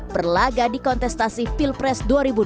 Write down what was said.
berlaga di kontestasi pilpres dua ribu dua puluh